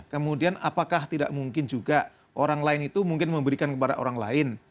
kemudian apakah tidak mungkin juga orang lain itu mungkin memberikan kepada orang lain